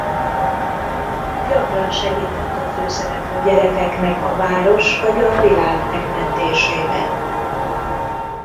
Gyakran segített a főszereplő gyerekeknek a város vagy a világ megmentésében.